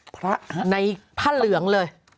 พระในผ้าเหลืองเลย